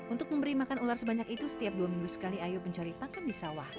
untuk memberi makan ular sebanyak itu setiap dua minggu sekali ayu mencari pakan di sawah